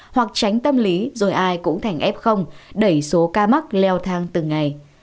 hoặc tránh tâm lý rồi ai cũng thành f đẩy số ca mắc leo thang từng ngày